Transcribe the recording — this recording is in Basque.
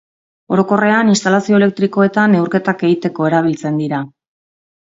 Orokorrean instalazio elektrikoetan neurketak egiteko erabiltzen dira.